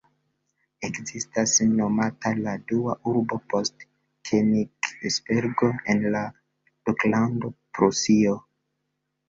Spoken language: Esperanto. Ekestis nomata la dua urbo post Kenigsbergo en la Duklando Prusio.